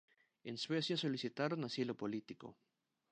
En Suecia, solicitaron asilo político.